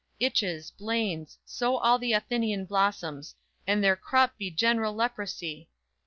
itches, blains, Sow all the Athenian blossoms; and their crop Be general leprosy!